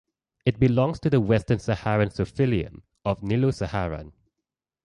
It belongs to the Western Saharan subphylum of Nilo-Saharan.